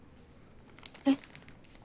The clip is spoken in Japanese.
えっ？